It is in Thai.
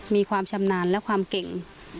มีความชำนาญและความเก่ง